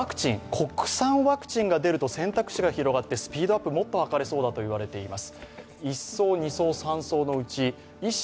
国産ワクチンが出ると、選択肢が広がって、スピードアップをもっと図れそうだと言われています。